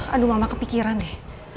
aduh mama kepikiran deh